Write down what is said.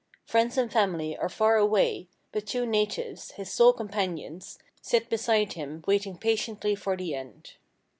Friends and family are far away, but two natives, his sole companions, sit be ■ side him waiting patiently for the end.